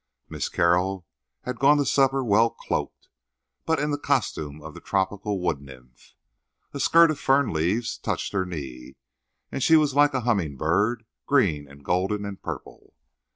Miss Carroll had gone to supper well cloaked, but in the costume of the tropic wood nymph. A skirt of fern leaves touched her knee; she was like a humming bird—green and golden and purple.